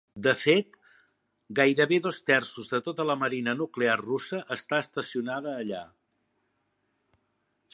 De fet, gairebé dos terços de tota la marina nuclear russa està estacionada allà.